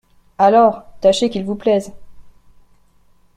Alors, tâchez qu’ils vous plaisent…